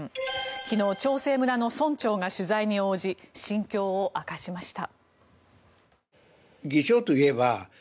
昨日、長生村の村長が取材に応じ心境を明かしました。